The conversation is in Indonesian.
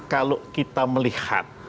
kalau kita melihat